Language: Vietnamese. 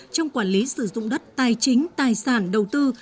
trong quản lý sử dụng đất tài chính tài sản đầu tư